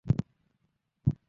হেই, চল!